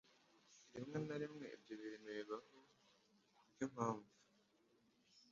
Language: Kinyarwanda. Rimwe na rimwe ibyo bintu bibaho kubwimpamvu.